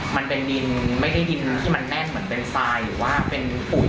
หนึ่งก็คือปล่อยสอนสองคือเหมือนคนเลยค่ะวิ้วก่อนเบรก